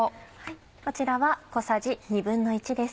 こちらは小さじ１／２です。